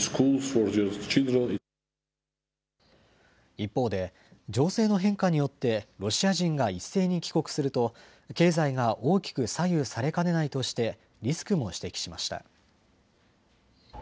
一方で、情勢の変化によって、ロシア人が一斉に帰国すると、経済が大きく左右されかねないとして、リスクも指摘しました。